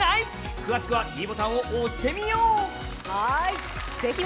詳しくはｄボタンを押してみよう。